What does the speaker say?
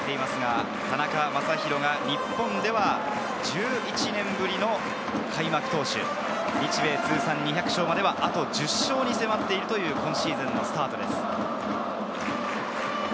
田中将大が日本では１１年ぶりの開幕投手、日米通算２００勝まであと１０勝に迫っている今シーズンのスタートです。